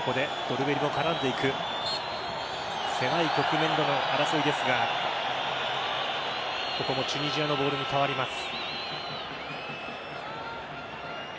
狭い局面での争いですがここもチュニジアのボールに変わります。